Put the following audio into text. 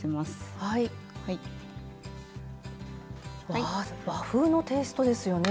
わあ和風のテイストですよね。